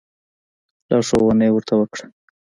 لارښوونه یې ورته وکړه.